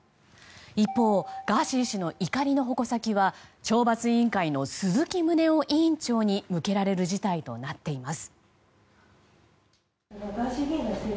一方、ガーシー氏の怒りの矛先は懲罰委員会の鈴木宗男委員長に向けられる事態となっています。